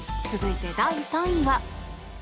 続いて、第３位は。